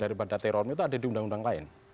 daripada teror itu ada di undang undang lain